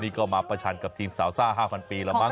นี่ก็มาประชันกับทีมสาวซ่า๕๐๐ปีแล้วมั้